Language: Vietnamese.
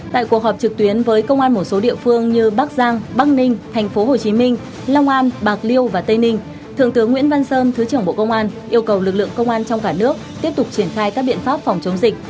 tại cuộc họp trực tuyến với công an một số địa phương như bắc giang bắc ninh tp hcm long an bạc liêu và tây ninh thượng tướng nguyễn văn sơn thứ trưởng bộ công an yêu cầu lực lượng công an trong cả nước tiếp tục triển khai các biện pháp phòng chống dịch